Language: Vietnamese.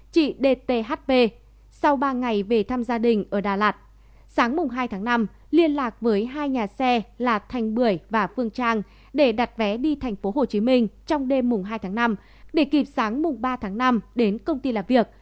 chị dthp sau ba ngày về thăm gia đình ở đà lạt sáng mùng hai tháng năm liên lạc với hai nhà xe là thành bưởi và phương trang để đặt vé đi tp hcm trong đêm mùng hai tháng năm để kịp sáng mùng ba tháng năm đến công ty làm việc